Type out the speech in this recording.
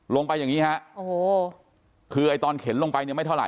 อย่างนี้ฮะโอ้โหคือไอ้ตอนเข็นลงไปเนี่ยไม่เท่าไ